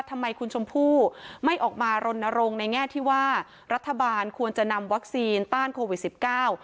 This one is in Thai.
ทำไมคุณชมพู่ไม่ออกมารณรงค์ในแง่ที่ว่ารัฐบาลควรจะนำวัคซีนต้านโควิดสิบเก้า